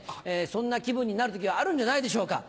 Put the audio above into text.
そんな気分になる時はあるんじゃないでしょうか。